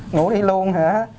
ngủ đi luôn hả